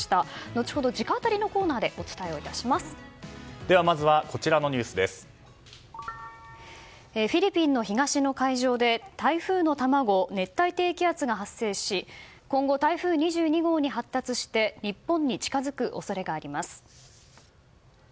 後ほど直アタリのコーナーででは、まずはフィリピンの東の海上で台風の卵熱帯低気圧が発生し今後、台風２２号に発達して日本に近づく恐れがあります。